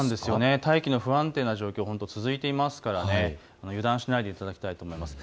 大気の不安定な状態が続いていますから油断しないでいただきたいと思います。